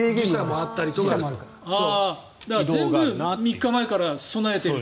全部、３日前から備えていると。